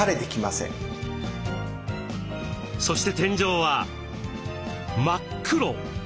そして天井は真っ黒。